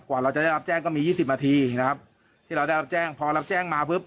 กว่าเราจะได้รับแจ้งก็มียี่สิบนาทีนะครับที่เราได้รับแจ้งพอรับแจ้งมาปุ๊บ